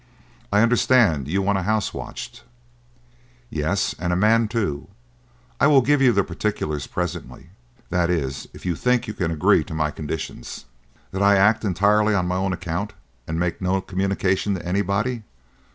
I understand you want a house watched?" "Yes, and a man, too. I will give you the particulars presently that is, if you think you can agree to my conditions." "That I act entirely on my own account and make no communication to anybody?